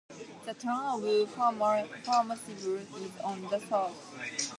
The town of Farmersville is on the south.